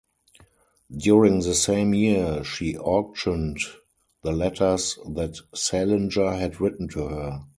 During the same year, she auctioned the letters that Salinger had written to her.